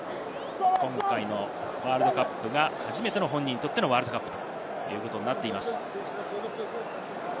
今回のワールドカップが初めてのワールドカップということになっています。